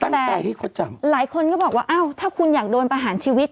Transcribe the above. แต่หลายคนก็บอกว่าเอ้าถ้าคุณอยากโดนประหารชีวิต